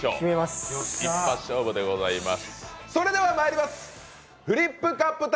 一発勝負でございます。